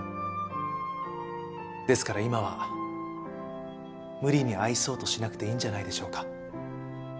ですから今は無理に愛そうとしなくていいんじゃないでしょうか。